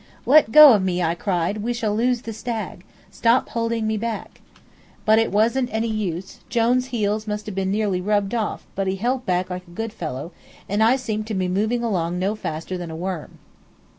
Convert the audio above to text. "Let go of me," I cried, "we shall lose the stag. Stop holding back." But it wasn't any use; Jone's heels must have been nearly rubbed off, but he held back like a good fellow, and I seemed to be moving along no faster than a worm.